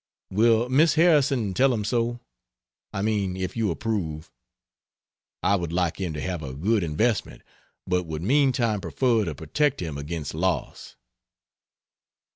Will Miss Harrison tell him so? I mean if you approve. I would like him to have a good investment, but would meantime prefer to protect him against loss.